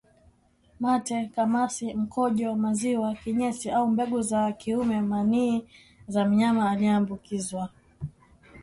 mate kamasi mkojo maziwa kinyesi au mbegu za kiume manii za mnyama aliyeambukizwa